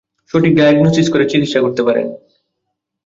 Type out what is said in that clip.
সঠিক ডায়াগনোসিস করে চিকিৎসা করতে হবে।